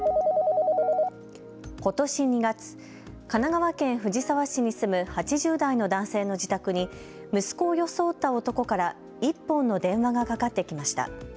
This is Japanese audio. ことし２月、神奈川県藤沢市に住む８０代の男性の自宅に息子を装った男から１本の電話がかかってきました。